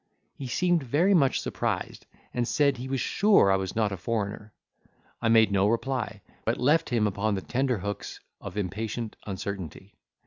He seemed very much surprised, and said, he was sure I was not a foreigner. I made no reply, but left him upon the tenter hooks of impatient uncertainty.